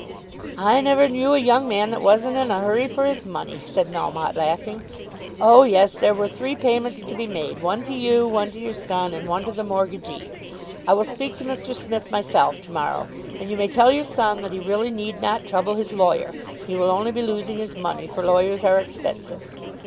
"I never knew a young man that wasn't in a hurry for his money," said Melmotte laughing. "Oh, yes; there were three payments to be made; one to you, one to your son, and one to the mortgagee. I will speak to Mr. Smith myself to morrow and you may tell your son that he really need not trouble his lawyer. He will only be losing his money, for lawyers are expensive.